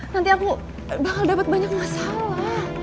nanti aku bakal dapat banyak masalah